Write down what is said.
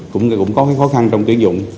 cũng có khó khăn trong tuyển dụng